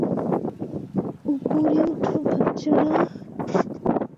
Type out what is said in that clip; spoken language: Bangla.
উপরে উঠো বাচ্চারা।